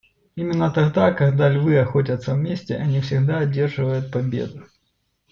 Именно тогда, когда львы охотятся вместе, они всегда одерживают победу.